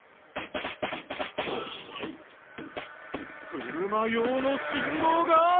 車用の信号が低い！？